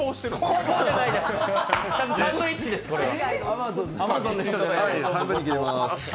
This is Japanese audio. サンドイッチです、これは。